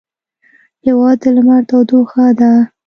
هېواد د لمر تودوخه ده.